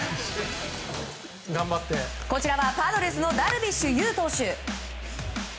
こちらはパドレスのダルビッシュ有投手。